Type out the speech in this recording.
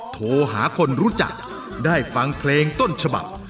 โทรหาคนรู้จักได้ฟังเพลงต้นฉบับ